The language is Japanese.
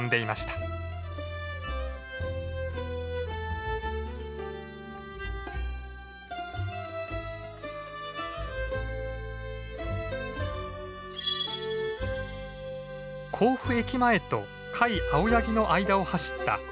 甲府駅前と甲斐青柳の間を走った山梨交通電車線。